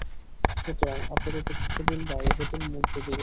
সুতরাং আপাতত কিছুদিন বাড়িবদল মুলতবি রইল।